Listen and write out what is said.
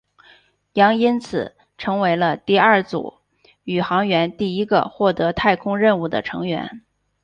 杨因此成为了第二组宇航员第一个获得太空任务的成员。